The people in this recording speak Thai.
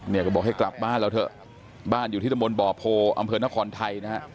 เนี่ยก็บอกให้กลับบ้านเราเถอะบ้านอยู่ที่ตะบนบ่อโพอำเภอนครไทยนะฮะ